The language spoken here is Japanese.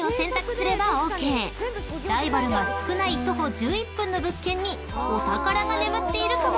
［ライバルが少ない徒歩１１分の物件にお宝が眠っているかも］